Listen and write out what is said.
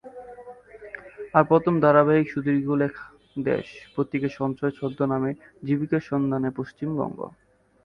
আর প্রথম ধারাবাহিক সুদীর্ঘ লেখা 'দেশ' পত্রিকায় সঞ্জয় ছদ্মনামে 'জীবিকার সন্ধানে পশ্চিমবঙ্গ'।